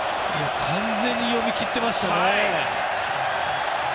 完全に読み切ってましたね。